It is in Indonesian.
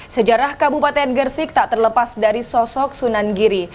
sejarah kabupaten gersik tak terlepas dari sosok sunan giri